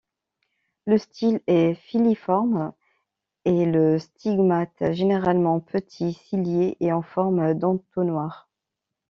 Le style est filiforme et le stigmate généralement petit, cilié et en forme d’entonnoir.